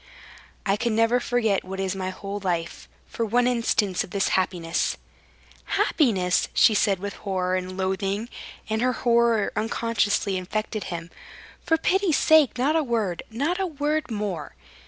"I can never forget what is my whole life. For one instant of this happiness...." "Happiness!" she said with horror and loathing and her horror unconsciously infected him. "For pity's sake, not a word, not a word more."